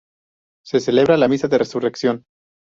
Se celebra la Misa de Resurrección.